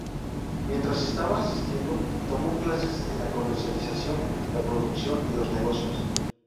Mientras estaba asistiendo, tomó clases en la comercialización, la producción y los negocios.